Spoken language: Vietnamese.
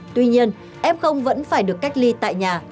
tuy nhiên f vẫn phải được cách ly tại nhà